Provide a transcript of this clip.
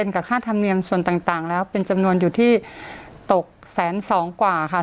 กับค่าธรรมเนียมส่วนต่างแล้วเป็นจำนวนอยู่ที่ตกแสนสองกว่าค่ะ